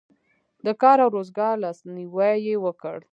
د کار او روزګار لاسنیوی یې وکړ.